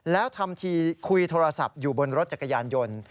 แล้วทำทีคุยโทรศัพท์อยู่บนรถจักรยานยนต์